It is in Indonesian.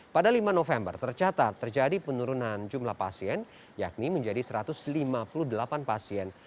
pada lima november tercatat terjadi penurunan jumlah pasien yakni menjadi satu ratus lima puluh delapan pasien